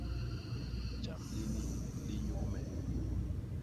Jam lini li nyuk me.